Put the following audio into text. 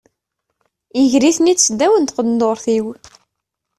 Iger-iten-id seddaw n tqendurt-iw.